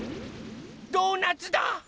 ドーナツだ！